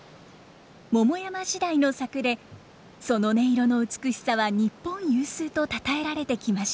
桃山時代の作でその音色の美しさは日本有数とたたえられてきました。